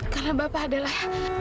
karena bapak adalah